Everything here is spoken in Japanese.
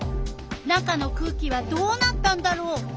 中の空気はどうなったんだろう。